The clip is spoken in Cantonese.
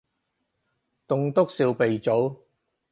棟篤笑鼻祖